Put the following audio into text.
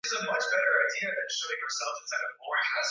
Marshal Idriss Déby tarehe kumi na nane mwezi wa nane